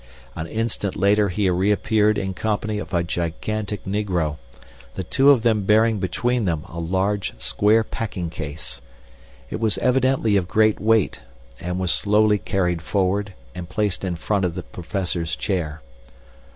An instant later he re appeared in company of a gigantic negro, the two of them bearing between them a large square packing case. It was evidently of great weight, and was slowly carried forward and placed in front of the Professor's chair.